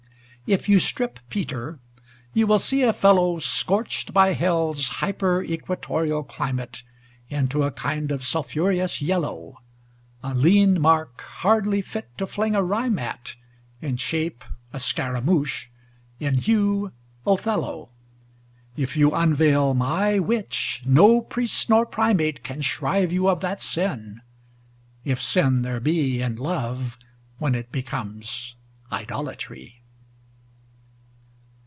VI If you strip Peter, you will see a fellow Scorched by Hell's hyperequatorial cli mate Into a kind of a sulphureous yellow: A lean mark, hardly fit to fling a rhyme at; In shape a Scaramouch, in hue Othello. If you unveil my Witch, no priest nor primate Can shrive you of that sin, ŌĆö if sin there be In love, when it becomes idolatry.